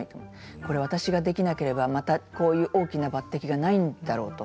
これを私ができなければまたこういう大きな抜てきがないんだろうと。